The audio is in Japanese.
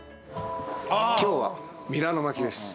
今日はミラノ巻きです。